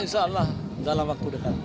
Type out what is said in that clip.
insya allah dalam waktu dekat